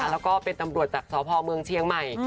แล้วก็เป็นตำรวจจากสพเมืองเชียงใหม่